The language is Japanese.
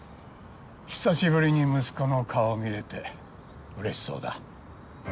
久しぶりに息子の顔を見れてうれしそうだ。